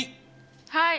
はい！